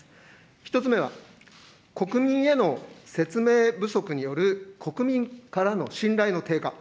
１つ目は国民への説明不足による国民からの信頼の低下。